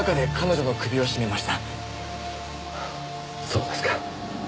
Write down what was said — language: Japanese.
そうですか。